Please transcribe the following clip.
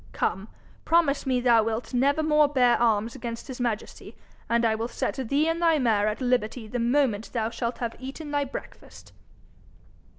Come, promise me thou wilt never more bear arms against his majesty, and I will set thee and thy mare at liberty the moment thou shalt have eaten thy breakfast.'